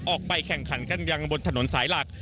ออกไปแข่งขันกันยังบนถนนสายหลัก